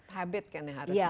habit kan yang harus di